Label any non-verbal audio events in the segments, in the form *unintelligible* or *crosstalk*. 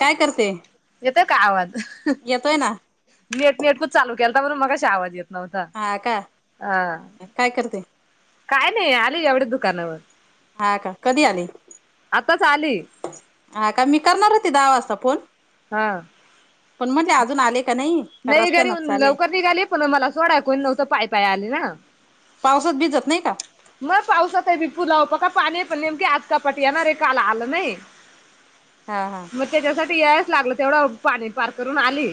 काय करते. येतोय का आवाज. येतोय ना. नेट नेट चालू केलता म्हणुन मगाशी आवाज येत. नव्हता हा का आ काय करते? काय नाही आले एवढ्या दुकानावर. हा का कधी आले. आताचं आले हां कां मी करणारं होती दहा वाजंता फोन हां पण म्हटले अजून आले का नाही का नाहीं घरीऊन रस्त्यानच आले लवकरं निघाली पणं मलां सोडायंकोणी नव्हतं पाय पाय आले नां म्हणूंन पावसांत भिजतं नाहीं कां मंग पावसांत आहे मी पुलांव बघां पाणी पणं नेमकीे आंज चपाट ये नां रे कांल आलं नाहीं हां हां मंग त्यांच्यासाठी यायचं लागलं तेवढं पाणी पारं करूंन आंली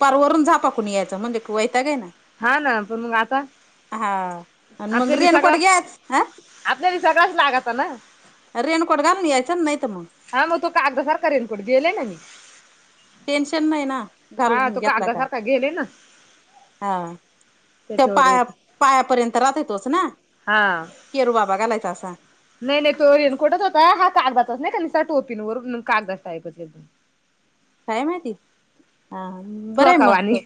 पारं वरुंण झापांकुणी यायचं म्हणजे वैताग ही आहे हां नां पणं मंग आंता हा आणि मग आपल्यांली रेनकोट सगळ्यां घ्याच हा आपल्यांला सगळ्यांचं लागंता नां रेणकोट घालूंन यायंचा नां नाहीतरं मंग हां मंग तो कागदासांरख रेनकोट गेले नां मी टेन्शन नाहीं नां मंग हा घालूंन तो घेतलां कां कागदासारखा गेले ना हां तो त्याच्यावर पायां येते. पायांपर्यंत राहतो तोंच नां हां केरूं बाबां घालायचां असां नाहीं नाहीं तो रेनकोटच होतां हां कागदांतच नाहीं कां टोपींवर कागदातं टाईपचं एकदंम कायं माहिती हां बरं आहे फ्रॉका मंग तो वाणी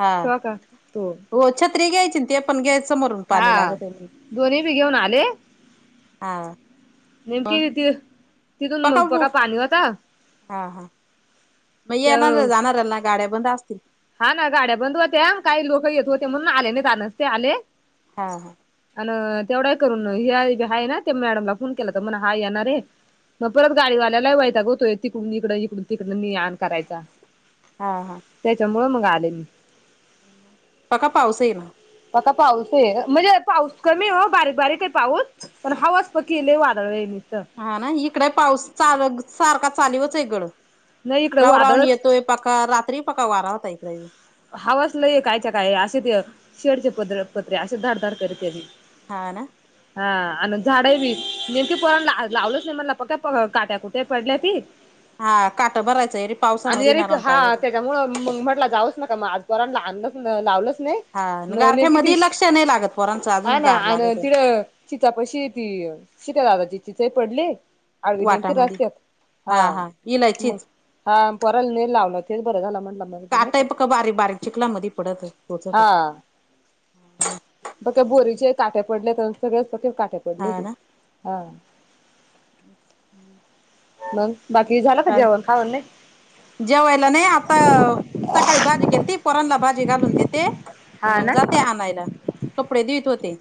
हां फ्रॉका तो हो छत्री घ्यांयची ते पणं घ्यायचं समोरूंन हा पाणी लागतं म्हणुंन दोन्ही बी घेऊन आले हां निेम किर कीर पकांवूकू हां हां मं त्या येणांरा जाणारं लागती गांड्या बंद असतील हां नां गांड्या बंद होत्यां कांहीं लोकं येतं होते म्हणूंन आले नाहीं तरं नसते आलें हां अं तेवढां करूंन हे आहे नां ते मॅडमला फोन केलां तरं म्हणाले हां येणारं रे मंग परंत गाडीवाल्यांलाही वयतां गं होतोय तिकडूंन इकडं इकडूंन तिकडं ने आंण करायचां हां हां त्यांच्यामुळे मंग आले मी बघां पाऊस येईल आंता पाऊस आहे म्हणजे पाऊस कमी हो बारीक बारीक आहे पाऊस पणं हवांच पतीले लंय वादळं आहे तिथं हां नां ईकडे पाऊस सारखां चालूं चालवंच एकडं नाही इकडे राहूं राहूंन वादळच येतोय पकां रात्री पकां वारां होतां ईकडे हवासलंय कायच्यां कायं असे ते शेडचे प्र पत्रे असे धडधड करतते हां नां हां आणि झाडं बी नेमकी परणं लावलंच नाहीं मलां पणं काट्यां कुठं ते पडले बी हां कांटा भरायचंय रे पावसांमध्यें नरंम पांय होतील त्यामुळें मंग म्हटलं जाऊचं नकां मंग आंज परांला अं लावलंच नाहीं हा न नेमकी गारठ्यामध्ये तिसं लक्ष नाही लागत पोरांचं अजून हं नां गार आणि लागत आहे तिलां तिच्याशी ती शेतां दादाची चिचा पडलें आळवी नेमकी वाटामध्ये रस्त्यांत हा हां हा मंग इलायचीच हां पोरं ने लावलं तेचं बरं झालं म्हटलं माझं तुं टायंप कां बारीक बारीक चीखलांमध्यें पडतं पोचतो हां त्यां बोरीचे काटे पडले तरं सगळें काटे पडले की हां हम्मं मंग बाकी झालायं कां जेवणं खांवन नाहीं जेवायलां नाहीं आंता सकाळीं भाजी केलती पोरांनलां भाजी घालूंन देते आणि हा मंग ना जाते आणांयला कपडे देतं होते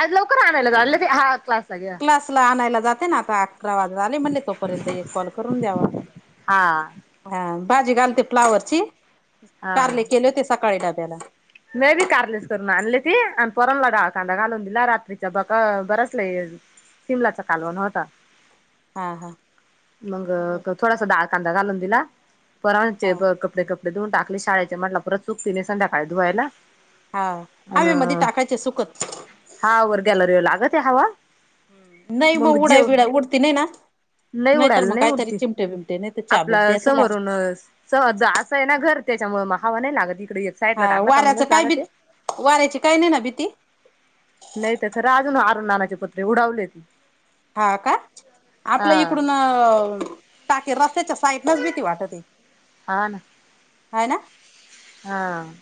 आंज लवकरं रां आणांयलालं ते हां क्लासं संगे क्लासंला आणांयला जाते नां आंता अकरां वाजतं आलें म्हणले तोपर्यंत एक कॉल करूंन द्यांवा हां हां भांजी घालते फ्लावरची कार्ले केले होते सकाळीं डाब्यांला मे बी कारलीस करूंन आणली ती आणि पोरांनला डाळं कांदा घालूंन दिलां रात्रीच्यां बकां बरंच लंय शिमलांचा कालवणं होतां हा हा मंग थोडांसा डाळं कांदा घालूंन दिलां परंत हा म्हणचे कपडे कपडे धुंऊ टाकले शाळेचेटलं परंत चुकतीने संध्याकांळी धुंवायलां हा हवेमध्ये अं टाकायचे सुकत हां वरं गॅलरी लागतं हवां नाहीं मंग उडांय विडां उडती नाहीं नां नाही नाहीतरी उडायला मंग नाही कांहीतरी उडती चिमटे बिमटे नाहीं तरं चहा बिबट्याचं लागतं सं असं आहे नां घरं त्यांच्यामुळे मं हवां नाहीं लागतं तिकडे येतं हां वाऱ्यांच कायं भी वाऱ्यांची कायं नाहीं नां भीती नाहीं तरं खरं अजूंन अरं नानांचे पत्रे उडांवले ते हां कां आपलं इकडूंन अं टांके रस्त्यांच्या साईडूनचं भीती वाटायची हां नां आहे नां हां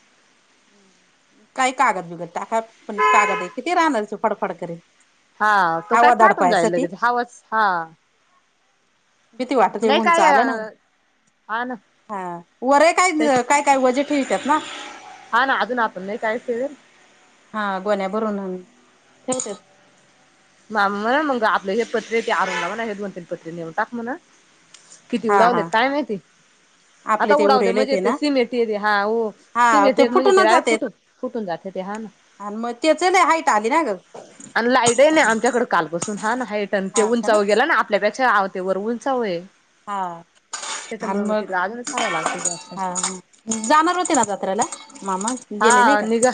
हम्मं हं कांहीं तरी कागंद बिघंड टांका पणं कागंद आहे किती राहणांरच फडफड करे हां तो कायं फाटूंन जाईल लगेच हावांच हां भिती वाटतें ते ऊंनच आलं नां हां नां हां वरयं कायं कायं कायं वजे ठेवतांत नां हां नां अजूंन नां आपणं लंय टाईम हा गोण्यांया भरूंन आंन फिट मां म्हणां मंग आपले हे पत्र ते अरुंणणा म्हंणा हे दोन तीन पत्र नेऊन टांक म्हणां किती हा हा उडवलेत कायं माहिती आपले आंता ते उडांवले उरेले म्हणजे ते तेे ना सिमेटेते हां हो हा सिमेंट येते म्हणजे ते फुटूनच यं जाते फुटतं फुटूंन जाते ते हां नां आणि मंग ते चं हांट आली नां गं नाहीं आमच्यांकडे कांलपसून हां नां हे टंन ते का ना उंचाव गेलां नां आपल्यांपेक्षा आवतेवर उंचावू आहे हां त्याच्यामुळे अंण मग मंग तिकडे अजूनच हवं लागते जास्त हां जाणारं होते नां जात्रेलां हां निघां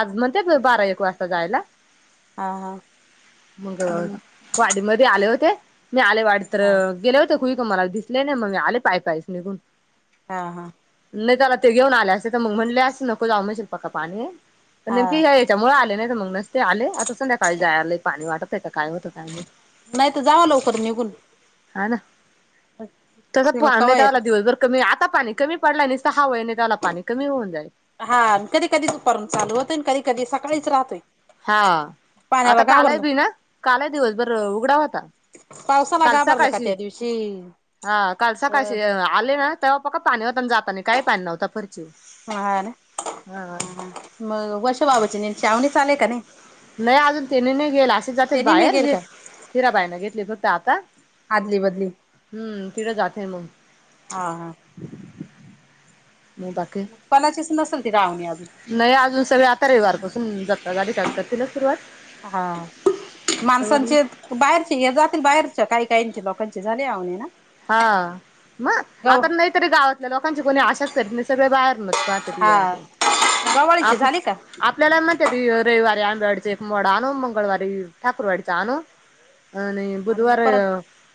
आंज म्हणते बारां एक वाजंता जायंला हा हा मंग वाडीमध्यें आलें होते मी आलें वाडी हा तरं गेले होते खुई तुम्हांला दिसलें नाहीं मंग आले पांय कायंस निघूनं हां हां नाही. त्याला ते घेऊन आले असे तर, मग म्हणले असं नको जाऊ म्हशील पक्का पाणी पण हा नेमकी हे त्यामुळे आले नाही. तर मग नसते आले आता संध्याकाळी जायला पाणी वाटतय काय होतं काय माहिती, नाहीतर जावा लवकर निघून. हा ना तस कवा येत *unintelligible* दिवस बर कमी आत्ता पाणी कमी पडलाय निस्ता हाव आहे *unintelligible* त्याला पाणी कमी होऊन जाईल. हां कधी कधी दुपारून चालू होतोय अनं कधी कधी सकाळीच राहतोय. हां. आता पाण्याला काल आहे घाबरलं बी ना, काल आहे दिवसभर उघडा होता. पावसाला काल घाबरलं का सकाळशी त्या दिवशी? हा काल अ सकाळशी आले ना तेव्हा पका पाणी होताना जाताना काही पाणी नव्हता. पण हा मग वर्षबाबाची न चावणी चालेय का नाही. नाही अजून तेनी नाही गेलं असच जातेत तेनी नाही बाहेर गेल घे. का तिरा बाईना घेतली होत आता, आदली बदली हम्म तिडं जाते मग. हा हा. मग बाकी पणाचीच नसेल ती रावणी अजून. नाही अजून सगळे आता रेवारपासून जात्ता गाडी *unintelligible* सुरुवात. हां. तवर नाही माणसांचेत बाहेरचे हे जातील बाहेरच्या काही काहीचे लोकांचे झाली आवनी ना हा मग गव आता नाहीतरी गावातल्या लोकांची कोणी आशाच करीत नाई सगळे बाहेरन पहाटेची हा येळ आहे. गवाळीची आपलं झाली का आपलं आपल्याला म्हणतात रविवारी आंबेवाडीचा एक मोडा आणू. मंगळवारी ठाकूरवाडीचा आणू. आणि बुधवार,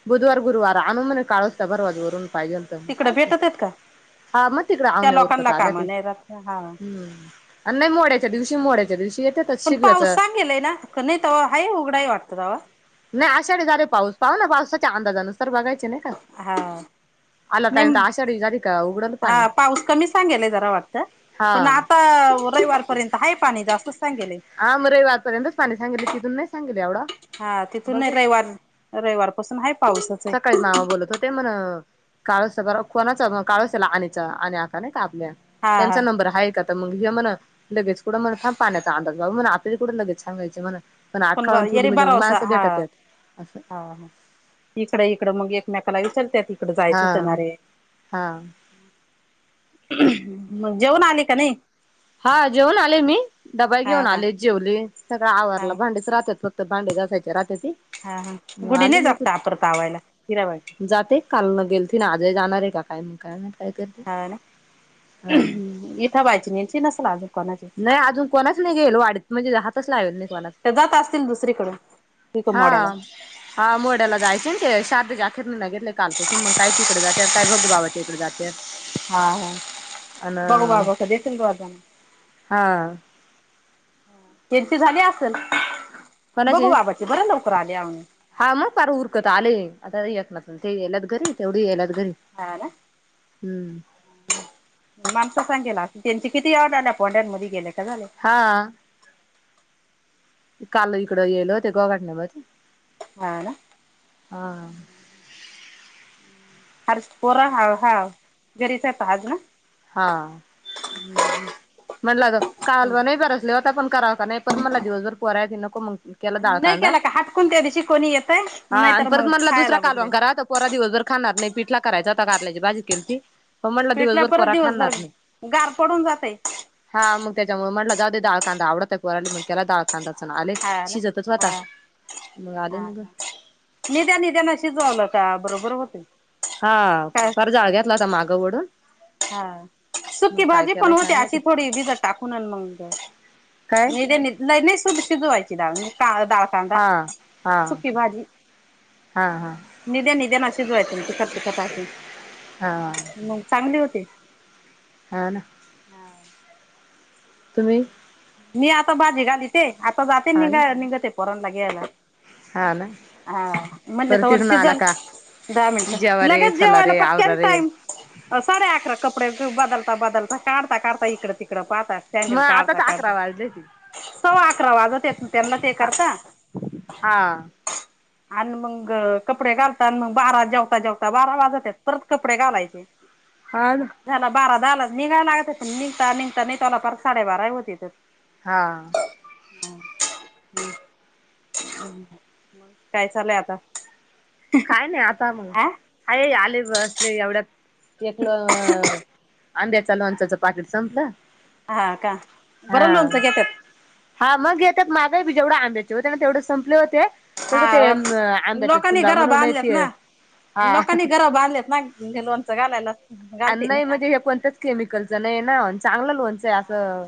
बुधवार- गुरुवार अनु म्हणे काळचत भरवाज वरून पाहिजेल. तर मग तिकडं काय तर भेटतेत काय? हा मग तिकडे आवण्या उरकत आल्यात नाही राहत हा हं. नाही मोड्याच्या दिवशी- मोड्याच्या दिवशी येतात. पण पाऊस सांगेलाय ना? की नाही तवा हाय उघडा आहे वाटतं तवा. नाही आषाढी झाली व पाऊस पाहुं ना पावसाच्या अंदाजा नुसार र बघायचे ना हाव. नाही! आषाढी झाली का उघडल पाणी हां पाऊस कमी सांगेलय जरा वाटतं. हा पण आता रविवारपर्यंत आहे पाणी जास्तच सांगेले आहे. हां म रवेवर पर्यंतच पाणी सांगे लती तूले नाही सांगेली एवढं. हा तिथून नाही रविवार रविवारपासून हाय पावसच हे. सकाळी मामा बोलत होते म्हण काळस बर कोणाचा काळसला अनिचा अनि आका नाही का आपल्या हा त्यांचा हा नंबर आहे का तर मग हे म्हणा लगेच कुडं मग थांब पाण्यात चांद बाबा म्हणा आपल्याला कुठं लगेच सांगायच म्हणा पण आठकाळून ठेवली म्हणजे मग माणसं भेटत्यात असं हां हां इकडं इकडं मग एकमेकाला विचारतेत इकडं जायचं हा होतं ना रे हा मग जेवून आली की नाही? हां. जेऊन आले मी, डबा हा घेऊन हा आले जेवले सगळं हा आवरल. भांडेच राहतात फक्त तर भांडे घासायची राहत्याती. हा हा गुढी नाही जापत आपर तावायला हिराबाई. जाते काल न गेलती ना आज जाणार आहे. काय मग काय माहीत? हाव ना, इथं बाची निंची नसल अजून कोणाची. नाही अजून कोणाच नाही गेलो वाडीत म्हणजे राहातच *unintelligible* नाही कोणाला ते जात असतील दुसरीकडं पिक मोड्याला हां मोड्याला जायचे ना ते शारदाच्या अखेरणीला घेतले कालपासून मग काय तिकडे जात्यात काय बघू बाबा. ते तिकडं जात्यात. हा हा अन *unintelligible* हा. त्यांची झाली असल? बघू कोणाचे बाबा ती बर लवकर आलीया. हा मग पार उरकत आलय आता एकनात अन ते लदगीरी हाय तेवढी लदगीरी. हा ना. हम्म. माणस सांगेला याला त्यांची किती वेळा पोढ्यांमध्ये गेले का झाले? हा. काल इकड गेलो ते गोगाटने ब ह ना. हार पोरा हा- हाव घरीच हायत आज ना? हा. *inaudible* म्हणलं ग कालव नाय बरसले होता पण कराव का नाय परत म्हणला दिवसभर पोराय हायती नको मग. केला डाळ नाही कांदा केला का हाटकून त्या दिवशी कोणी येतय हा आणि नाहीतर परत मग म्हणला दुसरा खायला कालवान वगैरे करा पोरा दिवसभर खाणार नाही पिठला करायचा आता कारल्याची बाजी केलती पण म्हणला पेटला दिवसभर परत पोरा दिवसभर खाणार नाही. गार पडून जातय. हा मग त्याच्यामुळ म्हटला जाऊदे डाळ कांदा आवडत नाय पोराला केला डाळ कांदाच अन् आले हा ना शिजतच होता हा मग आले निगुन. निद्या -निद्यान शिजावलं का बरोबर होतय. हा पार जाळ घेतला होता मागं वढून. हा सुकी भाजी पण केलाय होते काय नाही अशी ते थोडी भिजत टाकून अन् मग. काय नीदी नी शिजवायची डाळ लय नाय शिजवायची डाळ नाय काळ डाळ कांदा हा सुकी भाजी. हां हां. निद्या निद्या न शिजवायचे तिखट तिखट अशी हा मग. चांगली होते. ह ना. हा. तुम्ही मी आता भाजी घालीते आता जाते हा ना निघा- निघते पोरांला घ्यायला. हा ना हा म्हणले परत तवर तिथून आला शिजल. का दहा मिनटं जेवा रे लगेच चला जेवायला रे आवरा पटकेन रे टाईम अ- साडे अकरा कपडे बदलता बदलता काढता काढता इकडं तिकडं पाहता. मग सॅंडल आता काढता काढता सव्वा अकरा वाजत्यात त्यांना ते हा करता. हा आण मग कपडे घालतान आणि मग बारा जेवता जेवता बारा वाजत्यात परत कपडे घालायचे. *inaudible* हा ना. झाला बारा दहालाच निघायला लागतय पण निघता निघता नाय त्याला पाक साडेबारा होतेत्य. हा. *unintelligible* मग काय चालुय आता? काय नाय आता मग अ हाये आलेत बसलेत एवढ्यात एकल आंब्याचं लोणच्याच पाकिट संपलं. हा का हा बरं लोनच घेत्यात? हा मग येतेत मागाही बी जेवढ आंब्याचे होते ना तेवढे संपले होते. तस हा ते आंब्याच लोकांनी चुंदा घरा म्हणून बांधल्यात ते ना. हां *unintelligible* बांधलेत माहिती ना लोणचं घालायला. घालते नाही ना म्हणजे हे कोणत्याच केमिकलचं नाही ना चांगलं लोणचं आहे असं.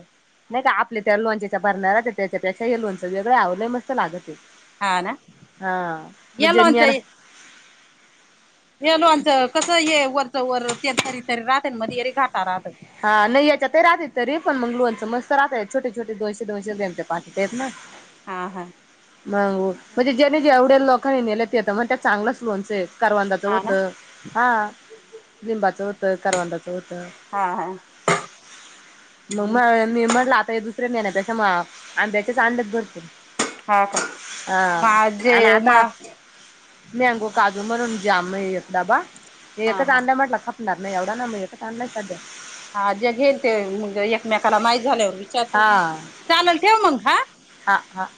नाही का आपल्या त्या लोणच्याच्या भरण्या राहतात त्याच्यापेक्षा हे लोणच वेगळ आवो लय मस्त लागतय हा ना. हां या म्हणजे लोणच्या *unintelligible* हे लोणचं कसं ये वरचं वर ते तरी तरी राहते मध्ये रे घाटा राहत. हा नाही याच्यातही राहते तरी पण मग लोणच मस्त राहात छोटे छोटे दोनशे दोनशे ग्रॅम च्या बाटल्या आहेत ना. हां हां मगू म्हणजे जेनी जेवढ्या लोकांनी नेलं ते तर म्हणतात चांगलंच लोनचं कारवंदाचं हा ना होतं. हां लिंबाचं होतं करवांंदाच होत हा हा मग म्हण. मी म्हणला आता हे दुसऱे नेण्यापेक्षा मग आंब्याचेच आणलेत भरपूर. हा का हां माझे आणि आता मा हा मॅगो काजू म्हणून जाम एकदाबा एकच हा. आणला म्हटला ख खाणार नाही एवढा म्हणून एकच आणलाय सध्या. हा जे घेईल ते एकमेकाला माहीत झाल्यावर विचारतात हा ना चालेल ठेव मंग हां हा हां